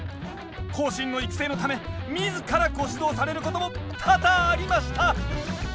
後進の育成のため自らご指導されることも多々ありました！